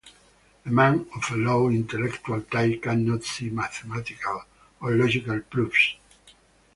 A man of a low intellectual type cannot see mathematical or logical proofs.